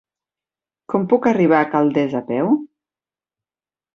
Com puc arribar a Calders a peu?